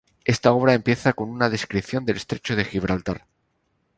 Esta obra empieza con una descripción del Estrecho de Gibraltar.